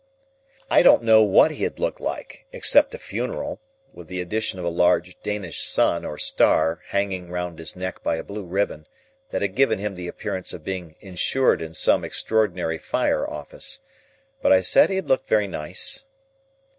I don't know what he had looked like, except a funeral; with the addition of a large Danish sun or star hanging round his neck by a blue ribbon, that had given him the appearance of being insured in some extraordinary Fire Office. But I said he had looked very nice.